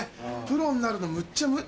プロになるのむっちゃ。